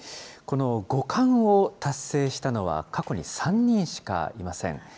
この五冠を達成したのは過去に３人しかいません。